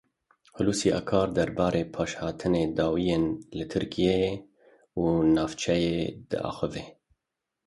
Hulusî Akar derbarê pêşhatên dawî yên li Tirkiyeyê û navçeyê de axivî.